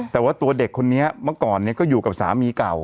แต่ว่าตัวเด็กคนนี้เมื่อก่อนก็อยู่กับสามีเก่า